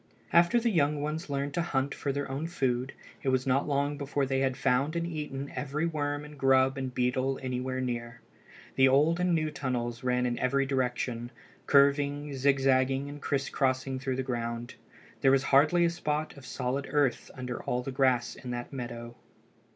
After the young ones learned to hunt for their own food it was not long before they had found and eaten every worm and grub and beetle anywhere near. The old and new tunnels ran in every direction, curving, zigzagging, and criss crossing through the ground. There was hardly a spot of solid earth under all the grass in that meadow.